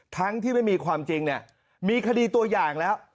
ทั้งที่ไม่มีความจริงเนี่ยมีคดีตัวอย่างแล้ว